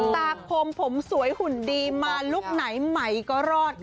คมผมสวยหุ่นดีมาลุคไหนใหม่ก็รอดค่ะ